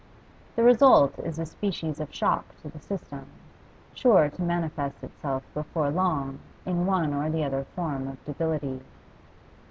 The result is a species of shock to the system, sure to manifest itself before long in one or other form of debility.